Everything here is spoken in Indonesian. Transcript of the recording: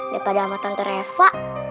daripada sama tante reva